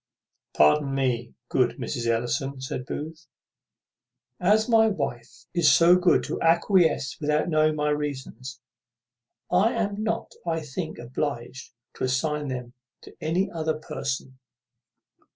"Pardon me, good Mrs. Ellison," said Booth: "as my wife is so good to acquiesce without knowing my reasons, I am not, I think, obliged to assign them to any other person."